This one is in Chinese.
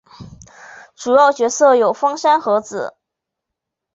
主要角色有芳山和子。